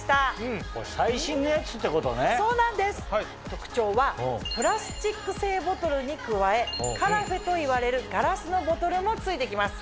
特徴はプラスチック製ボトルに加えカラフェといわれるガラスのボトルも付いて来ます。